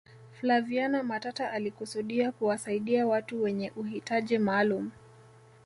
flaviana matata alikusudia kuwasaidia watu wenye uhitaji maalum